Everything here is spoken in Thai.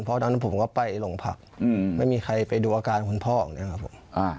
เพราะตอนนั้นผมก็ไปโรงพักไม่มีใครไปดูอาการคุณพ่ออย่างนี้ครับผม